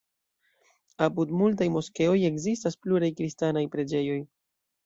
Apud multaj moskeoj ekzistas pluraj kristanaj preĝejoj.